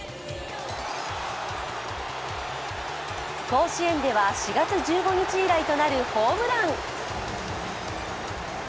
甲子園では４月１５日以来となるホームラン。